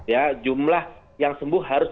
ya jumlah yang sembuh harus